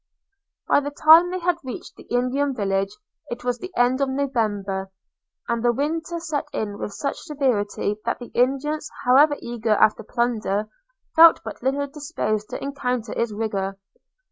By the time they had reached the Indian village, it was the end of November; and the winter set in with such severity that the Indians, however eager after plunder, felt but little disposed to encounter its rigour.